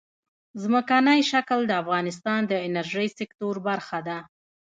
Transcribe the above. ځمکنی شکل د افغانستان د انرژۍ سکتور برخه ده.